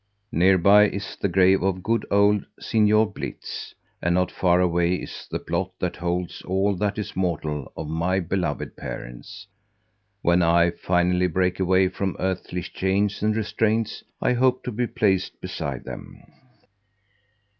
Nearby is the grave of good old Signor Blitz, and not far away is the plot that holds all that is mortal of my beloved parents. When I finally break away from earthly chains and restraints, I hope to be placed beside them.